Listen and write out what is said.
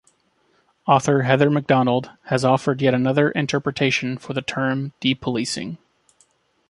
Author Heather Mac Donald has offered yet another interpretation for the term de-policing.